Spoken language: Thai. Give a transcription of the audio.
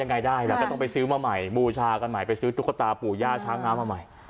ยังไงได้แล้วก็ต้องไปซื้อมาใหม่บูชากันใหม่ไปซื้อตุ๊กตาปู่ย่าช้างน้ำมาใหม่